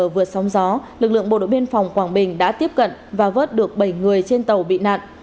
vượt sóng gió lực lượng bộ đội biên phòng quảng bình đã tiếp cận và vớt được bảy người trên tàu bị nạn